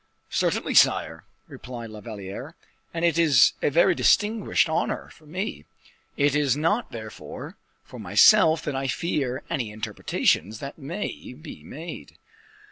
"Certainly, sire," replied La Valliere, "and it is a very distinguished honor for me; it is not, therefore, for myself that I fear any interpretations that may be made."